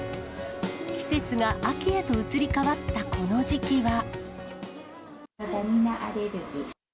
季節が秋へと移り変わったこの時期は。